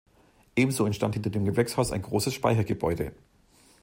Ebenso entstand hinter dem Gewächshaus ein großes Speichergebäude.